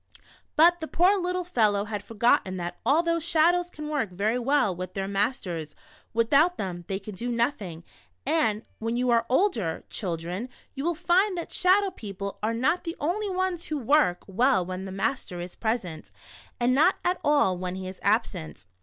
But the poor little fellow had forgotten that al thouo^h Shadows can work ver\ well with their masters, without them they can do nothing, and when you are older, children, you will find that shadow people are not the only ones who work 94 The Shadow. well when the master is present, and not at all when he is absent.